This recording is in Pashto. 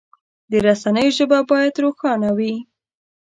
د رسنیو ژبه باید روښانه وي.